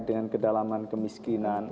dengan kedalaman kemiskinan